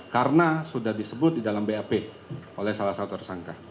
karena sudah disebut di dalam bap oleh salah satu tersangka